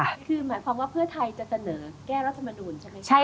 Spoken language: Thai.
คือหมายความว่าเพื่อไทยจะเสนอแก้รัฐมนูลใช่ไหมคะ